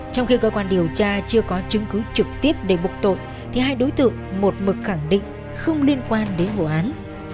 trong khi cơ quan điều tra chưa có chứng cứ trực tiếp để bục tội thì hai đối tượng một mực khẳng định không liên quan đến vụ án